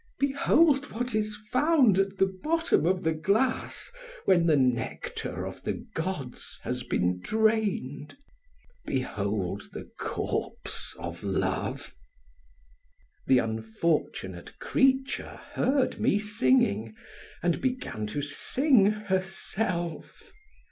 Behold what is found at the bottom of the glass when the nectar of the gods has been drained; behold the corpse of love." The unfortunate creature heard me singing and began to sing herself.